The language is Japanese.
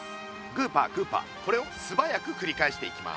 グーパーグーパーこれをすばやくくりかえしていきます。